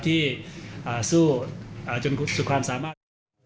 ที่สู้จนสุดความสามารถ